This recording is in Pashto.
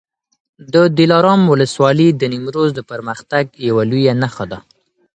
د دلارام ولسوالي د نیمروز د پرمختګ یوه لویه نښه ده.